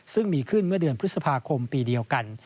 ซึ่งมีขึ้นเมื่อเดือนพฤษภาคมปีเดียวกัน